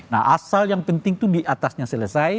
nah asal yang penting itu diatasnya selesai